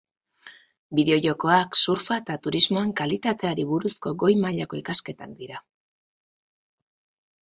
Bideojokoak, surfa eta turismoan kalitateari buruzko goi mailako ikasketak dira.